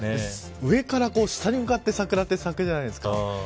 上から下に向かって桜って咲くじゃないですか。